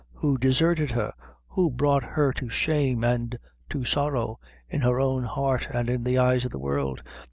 Who deserted her who brought her to shame, an' to sorrow, in her own heart an' in the eyes of the world?